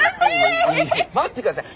待ってください。